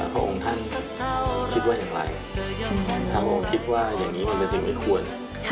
พระองค์ท่านคิดว่าอย่างไรพระองค์คิดว่าอย่างนี้มันก็จึงไม่ควร